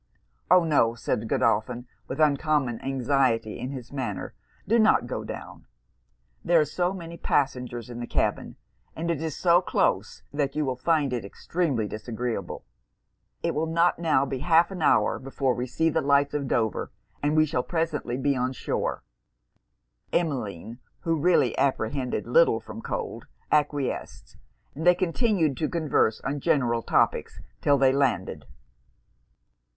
'Oh! no,' said Godolphin, with uncommon anxiety in his manner 'do not go down. There are so many passengers in the cabin, and it is so close, that you will find it extremely disagreeable. It will not now be half an hour before we see the lights of Dover; and we shall presently be on shore.' Emmeline, who really apprehended little from cold, acquiesced; and they continued to converse on general topics 'till they landed.